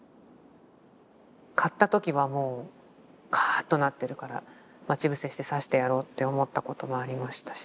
買った時はもうカーッとなってるから待ち伏せして刺してやろうって思ったこともありましたし。